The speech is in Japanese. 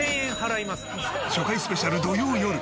初回スペシャル土曜よる！